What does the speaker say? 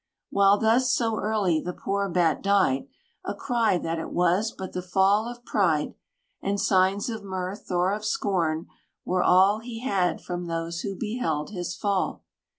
While thus, so early the poor Bat died, A cry, that it was but the fall of pride, And signs of mirth, or of scorn, were all He had from those who beheld his fall.